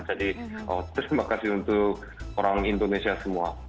jadi terima kasih untuk orang indonesia semua